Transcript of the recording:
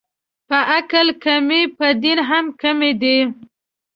په عقل کمې، په دین هم کمې دي